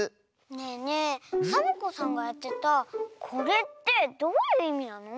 ねえねえサボ子さんがやってたこれってどういういみなの？